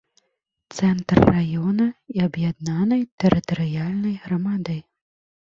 Цэнтр раёна і аб'яднанай тэрытарыяльнай грамады.